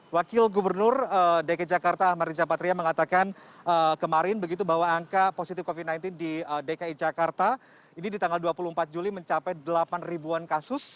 wakil gubernur dki jakarta ahmad riza patria mengatakan kemarin begitu bahwa angka positif covid sembilan belas di dki jakarta ini di tanggal dua puluh empat juli mencapai delapan ribuan kasus